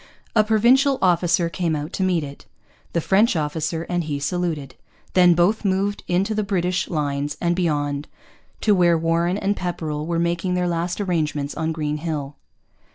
A Provincial officer came out to meet it. The French officer and he saluted. Then both moved into the British lines and beyond, to where Warren and Pepperrell were making their last arrangements on Green Hill.